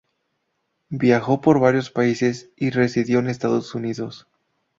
Viajó por varios países y residió en Estados Unidos.